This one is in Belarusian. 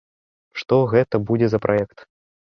Што гэта будзе за праект?